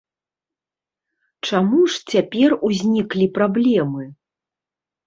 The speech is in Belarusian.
Чаму ж цяпер узніклі праблемы?